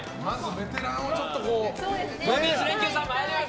ベテランをちょっと。